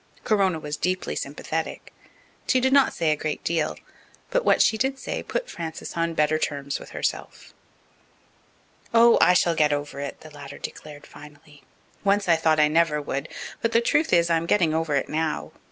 Corona was deeply sympathetic. She did not say a great deal, but what she did say put Frances on better terms with herself. "Oh, I shall get over it," the latter declared finally. "Once I thought I never would but the truth is, I'm getting over it now.